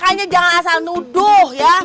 makanya jangan asal nuduh ya